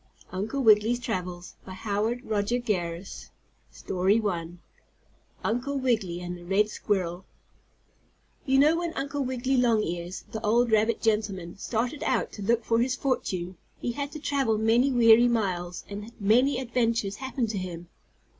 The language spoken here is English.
UNCLE WIGGILY AND THE TAILOR BIRD 195 Uncle Wiggily's Travels STORY I UNCLE WIGGILY AND THE RED SQUIRREL You know when Uncle Wiggily Longears, the old rabbit gentleman, started out to look for his fortune, he had to travel many weary miles, and many adventures happened to him.